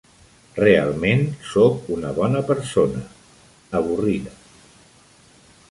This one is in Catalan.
Realment sóc una bona persona, avorrida.